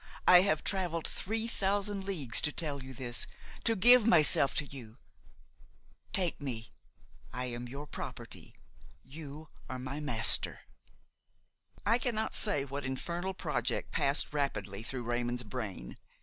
I have travelled three thousand leagues to tell you this, to give myself to you. Take me, I am your property, you are my master." I cannot say what infernal project passed rapidly through Raymon's brain.